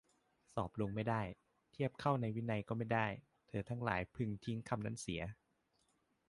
สอบลงไม่ได้ เทียบเข้าในวินัยก็ไม่ได้ เธอทั้งหลายพึงทิ้งคำนั้นเสีย